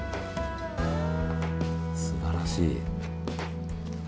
すばらしい。